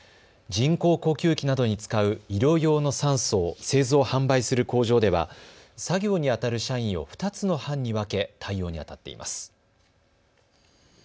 人工呼吸器などに使う医療用の酸素を製造・販売する工場では作業にあたる社員を２つの班に分け対応にあたっています。